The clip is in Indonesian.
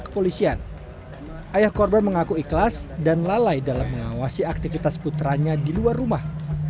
kepolisian ayah korban mengaku ikhlas dan lalai dalam mengawasi aktivitas putranya di luar rumah